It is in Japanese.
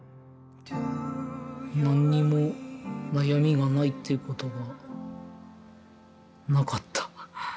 何にも悩みがないっていうことがなかった。